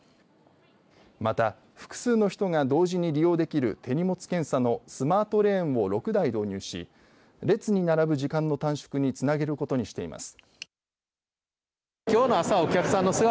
また複数の人が同時に利用できる手荷物検査のスマートレーンを６台導入し列に並ぶ時間の短縮につなげることにしています。